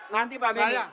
nanti pak binda